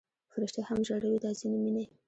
فرشتې هم ژړوي دا ځینې مینې